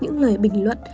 những lời bình luận